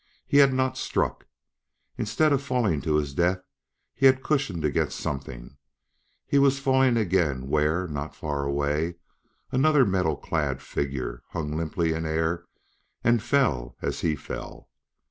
He had not struck; instead of falling to his death he had cushioned against something; he was falling again where, not far away, another metal clad figure hung limply in air and fell as he fell.